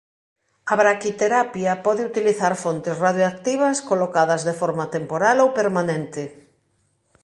A braquiterapia pode utilizar fontes radioactivas colocadas de forma temporal ou permanente.